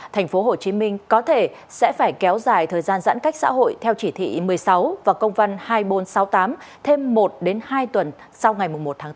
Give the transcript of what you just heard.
tp hcm có thể sẽ phải kéo dài thời gian giãn cách xã hội theo chỉ thị một mươi sáu và công văn hai nghìn bốn trăm sáu mươi tám thêm một hai tuần sau ngày một tháng bốn